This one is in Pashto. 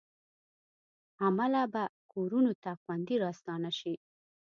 عمله به کورونو ته خوندي راستانه شي.